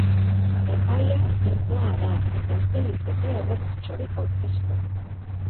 Epaia irmoa da, eta ezin liteke errekurtsorik aurkeztu.